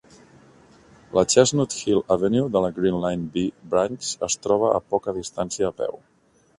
La Chestnut Hill Avenue de la Green Line "B" Branch es troba a poca distància a peu.